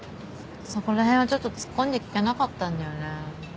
そこらへんはちょっと突っ込んで聞けなかったんだよね。